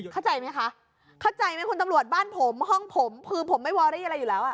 เข้าใจไหมคะเข้าใจไหมคุณตำรวจบ้านผมห้องผมคือผมไม่วอรี่อะไรอยู่แล้วอ่ะ